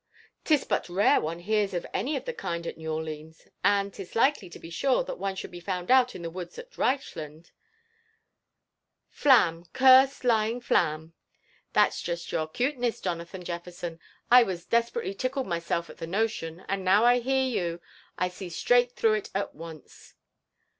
'Tis but rare one hears of any of the kind at New Orleans; and 'tis likely, to be sure, that one should be found out in the woods at Reichland ! Flam —— cursed, lying flaml" *' That's just your 'cuteness, Jonathan Jefferson. I was despe rately tickled myself at tlie notion ; and now I hear you, I see straigLt through it at once."